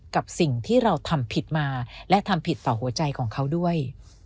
กับสิ่งที่เราทำผิดมาและทำผิดต่อหัวใจของเขาด้วย